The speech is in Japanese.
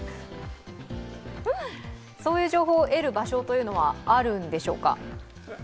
そういう情報を得る場所はあるんでしょうか？